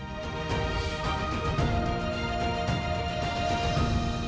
jangan lupa like subscribe dan share ya